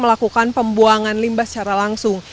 melakukan pembuangan limbah secara langsung